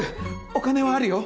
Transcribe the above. お金はあるよ。